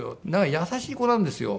優しい子なんですよ。